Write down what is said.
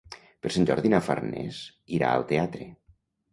Per Sant Jordi na Farners irà al teatre.